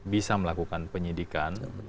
bisa melakukan penyidikan